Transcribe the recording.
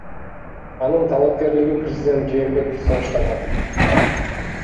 Анын талапкерлигин президент Сооронбай Жээнбеков сунуштаган.